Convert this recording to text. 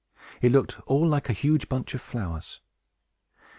It looked all like a huge bunch of flowers.